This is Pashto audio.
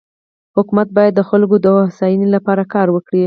حکومت بايد د خلکو دهوسايي لپاره کار وکړي.